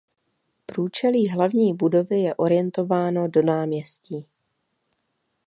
Průčelí hlavní budovy je orientováno do náměstí.